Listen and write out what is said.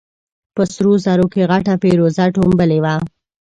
په سرو زرو کې غټه فېروزه ټومبلې وه.